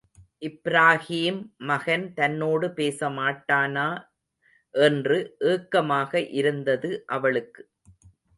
இப்ராஹீம் மகன் தன்னோடு பேசமாட்டானா என்று ஏக்கமாக இருந்தது அவளுக்கு.